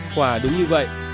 quả đúng như vậy